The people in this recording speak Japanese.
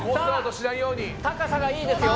さぁ高さがいいですよ